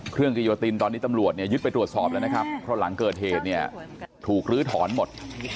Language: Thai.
กิโยตินตอนนี้ตำรวจเนี่ยยึดไปตรวจสอบแล้วนะครับเพราะหลังเกิดเหตุเนี่ยถูกลื้อถอนหมด